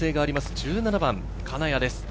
１７番、金谷です。